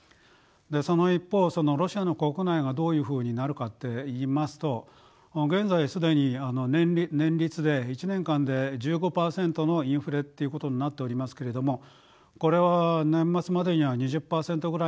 でその一方ロシアの国内がどういうふうになるかっていいますと現在既に年率で１年間で１５％のインフレっていうことになっておりますけれどもこれは年末までには２０％ぐらいに達するんだろうと思います。